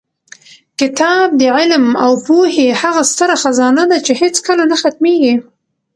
کتاب د علم او پوهې هغه ستره خزانه ده چې هېڅکله نه ختمېږي.